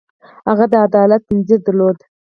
هغه د عدالت ځنځیر درلود.